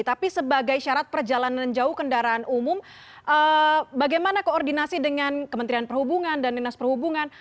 tapi sebagai syarat perjalanan jauh kendaraan umum bagaimana koordinasi dengan kementerian perhubungan dan dinas perhubungan